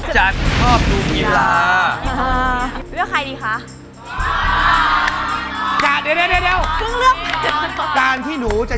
จัดชอบดูกีฬา